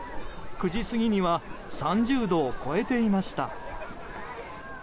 ９時過ぎには３０度を超えていました。